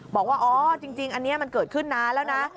บอกว่าอ๋อจริงอันนี้มันเกิดขึ้นนานแล้วนะ